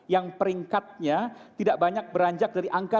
yang peringkatnya tidak banyak beranjak dari angka tiga belas